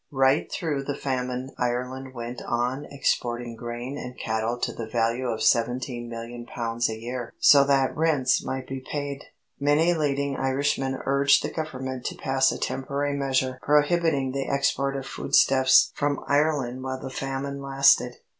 Right through the Famine Ireland went on exporting grain and cattle to the value of seventeen million pounds a year so that rents might be paid. Many leading Irishmen urged the Government to pass a temporary measure prohibiting the export of foodstuffs from Ireland while the Famine lasted.